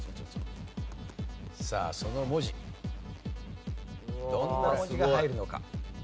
さあその文字どんな文字が入るのか？